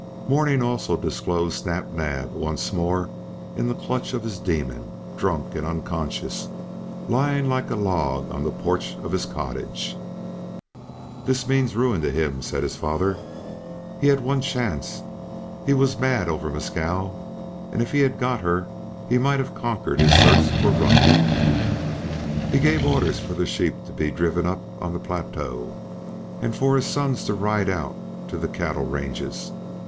Morning also disclosed Snap Naab once more in the clutch of his demon, drunk and unconscious, lying like a log on the porch of his cottage. "This means ruin to him," said his father. "He had one chance; he was mad over Mescal, and if he had got her, he might have conquered his thirst for rum." He gave orders for the sheep to be driven up on the plateau, and for his sons to ride out to the cattle ranges.